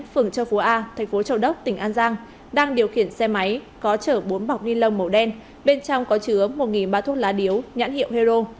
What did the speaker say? phường châu phú a thành phố châu đốc tỉnh an giang đang điều khiển xe máy có chở bốn bọc ni lông màu đen bên trong có chứa một ba thuốc lá điếu nhãn hiệu hero